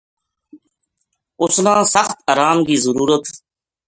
اس نا سخت آرام کی ضرورت